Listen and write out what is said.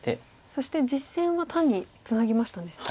そして実戦は単にツナぎましたね。